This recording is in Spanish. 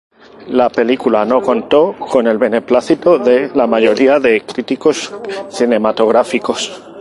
La película no contó con el beneplácito de la mayoría de críticos cinematográficos.